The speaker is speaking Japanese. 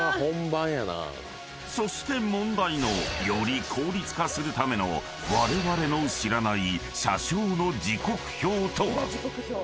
［そして問題のより効率化するためのわれわれの知らない］